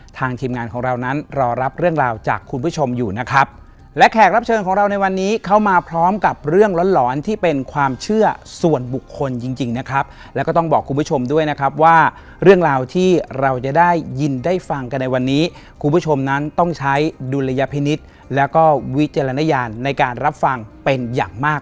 ทีมงานของเรานั้นรอรับเรื่องราวจากคุณผู้ชมอยู่นะครับและแขกรับเชิญของเราในวันนี้เข้ามาพร้อมกับเรื่องร้อนหลอนที่เป็นความเชื่อส่วนบุคคลจริงจริงนะครับแล้วก็ต้องบอกคุณผู้ชมด้วยนะครับว่าเรื่องราวที่เราจะได้ยินได้ฟังกันในวันนี้คุณผู้ชมนั้นต้องใช้ดุลยพินิษฐ์แล้วก็วิจารณญาณในการรับฟังเป็นอย่างมาก